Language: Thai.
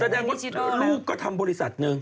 แสดงว่าลูกก็ทำบริษัทหนึ่ง